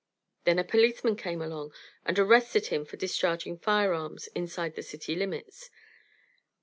Then a policeman came along and arrested him for discharging firearms inside the city limits.